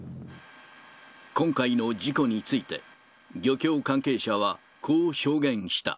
今回の事故について、漁協関係者は、こう証言した。